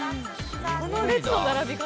この列の並び方。